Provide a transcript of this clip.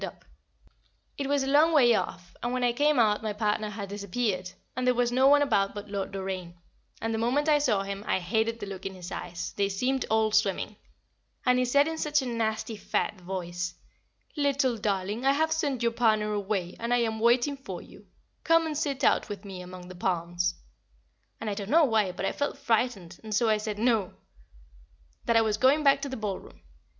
[Sidenote: An Unpleasant Incident] It was a long way off, and when I came out my partner had disappeared, and there was no one about but Lord Doraine, and the moment I saw him I hated the look in his eyes, they seemed all swimming; and he said in such a nasty fat voice: "Little darling, I have sent your partner away, and I am waiting for you, come and sit out with me among the palms," and I don't know why, but I felt frightened, and so I said, "No!" that I was going back to the ballroom.